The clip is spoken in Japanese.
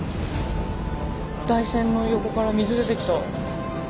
台船の横から水出てきた。